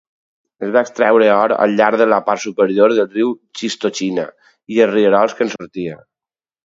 Es va extreure or al llarg de la part superior del riu Chistochina i els rierols que en sortien.